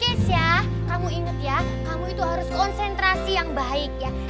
yes ya kamu inget ya kamu itu harus konsentrasi yang baik ya